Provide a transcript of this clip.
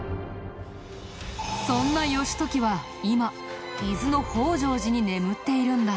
そんな義時は今伊豆の北條寺に眠っているんだ。